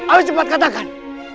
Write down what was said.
aku cepat katakan